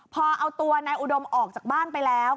พอเอาตัวนายอุดมออกจากบ้านไปแล้ว